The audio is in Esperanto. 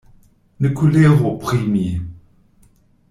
Ne koleru pri mi.